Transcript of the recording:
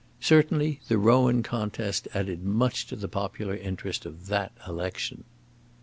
Certainly the Rowan contest added much to the popular interest of that election.